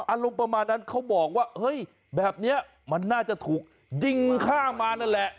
อารมณ์ประมาณนั้นเขาบอกว่าเฮ้ยแบบนี้มันน่าจะถูกยิงข้ามมานั่นแหละ